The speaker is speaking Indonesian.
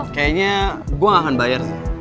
kayaknya gue gak akan bayar